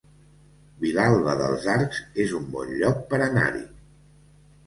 Vilalba dels Arcs es un bon lloc per anar-hi